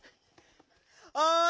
おい！